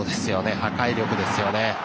破壊力ですよね。